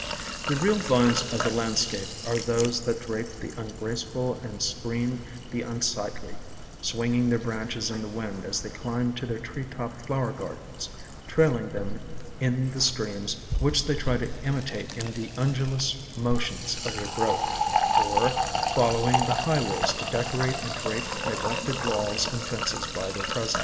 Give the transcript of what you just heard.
The real vines of the landscape are those that drape the ungraceful and screen the unsightly, swinging their branches in the wind as they climb to their tree top flower gardens, trailing them in the streams which they try to imitate in the un dulous motions of their growth, or following the highways to decorate and drape neglected walls and fences by their presence.